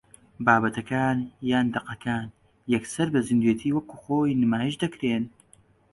بابەتەکان یان دەقەکان یەکسەر بە زیندووێتی و وەک خۆی نمایش دەکرێن